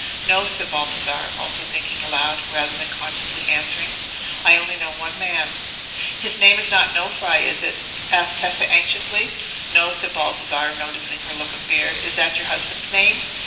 "No," said Baldassarre, also thinking aloud, rather than consciously answering, "I only know one man." "His name is not Nofri, is it?" said Tessa, anxiously. "No," said Baldassarre, noticing her look of fear. "Is that your husband's name?"